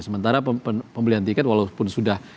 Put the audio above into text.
sementara pembelian tiket walaupun sudah